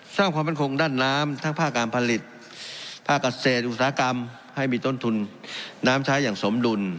สร้างความมั่นคงด้านน้ำทั้งภาคการผลิตภาคเกษตรอุตสาหกรรมให้มีต้นทุนน้ำใช้อย่างสมดุล